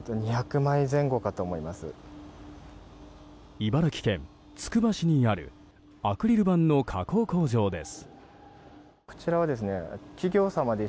茨城県つくば市にあるアクリル板の加工工場です。